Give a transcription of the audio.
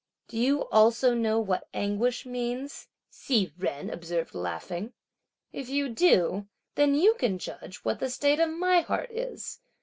"Do you also know what anguish means?" Hsi Jen observed laughing; "if you do, then you can judge what the state of my heart is!